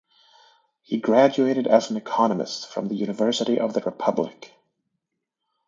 He graduated as an economist from the University of the Republic.